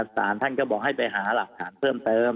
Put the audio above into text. สารท่านก็บอกให้ไปหาหลักฐานเพิ่มเติม